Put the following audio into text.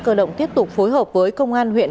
cơ động tiếp tục phối hợp với công an huyện